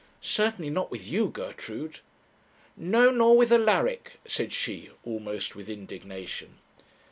'Certainly not with you, Gertrude.' 'No, nor with Alaric,' said she, almost with indignation.